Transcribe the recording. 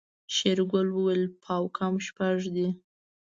شېرګل وويل پاو کم شپږ دي.